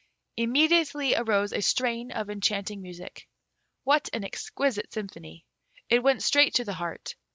Immediately arose a strain of enchanting music. What an exquisite symphony! It went straight to the heart.